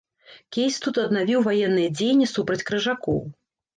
Кейстут аднавіў ваенныя дзеянні супраць крыжакоў.